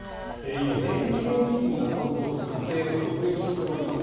今、電気料金が高騰して家計を直撃しております。